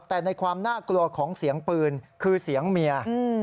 แต่ในความน่ากลัวของเสียงปืนคือเสียงเมีย